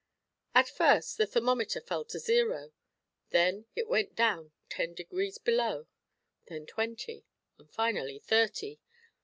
At first the thermometer fell to zero; then it went down ten degrees below; then twenty, and finally thirty.